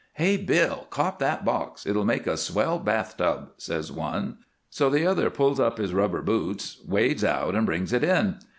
"'Hey, Bill, cop that box; it'll make a swell bath tub,' says one. So the other pulls up his rubber boots, wades out, and brings it in.